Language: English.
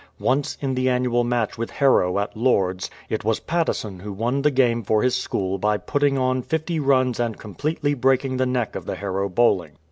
Once, in the annual match with Harrow at Lord''s, it was Patteson who won the game for his school by putting on fifty runs and completely breaking the neck of the Harrow bowling.